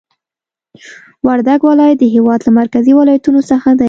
وردګ ولایت د هېواد له مرکزي ولایتونو څخه دی